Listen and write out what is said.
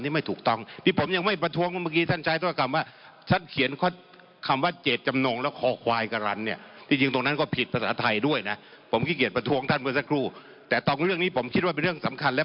แต่ตอนเรื่องนี้ผมคิดว่ากมันเป็นเรื่องสำคัญแนะ